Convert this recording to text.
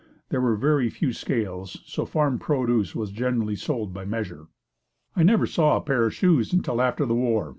There were very few scales so farm produce was generally sold by measure. I never saw a pair of shoes until after the war.